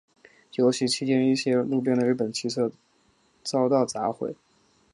游行期间一些路边的日本汽车遭到砸毁。